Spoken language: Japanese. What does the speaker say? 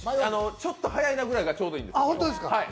ちょっと早いなぐらいがちょうどいいんです。